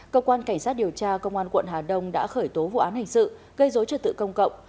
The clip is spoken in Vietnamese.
cơ quan cảnh sát điều tra công an quận hà đông đã khởi tố vụ án hình sự gây dối trật tự công cộng